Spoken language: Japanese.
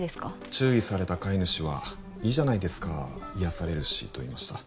注意された飼い主は「いいじゃないですか癒やされるし」と言いました